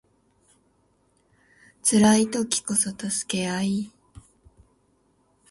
辛い時こそ助け合い